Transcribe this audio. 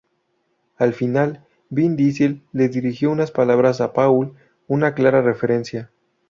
Al final Vin Diesel, le dirigió unas palabras a Paul, una clara referencia.